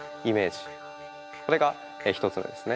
これが１つ目ですね。